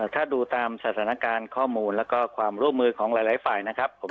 ถ้าดูตามสถานการณ์ข้อมูลแล้วก็ความร่วมมือของหลายฝ่ายนะครับผม